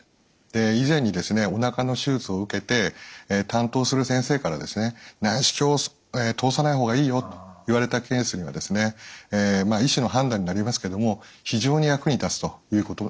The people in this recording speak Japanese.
以前におなかの手術を受けて担当する先生から内視鏡を通さない方がいいよと言われたケースには医師の判断になりますけども非常に役に立つというものであります。